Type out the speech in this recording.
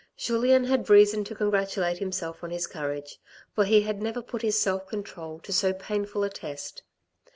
Julien had reason to congratulate himself on his courage, for he had never put his self control to so painful a test.